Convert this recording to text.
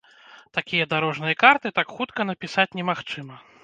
Такія дарожныя карты так хутка напісаць немагчыма.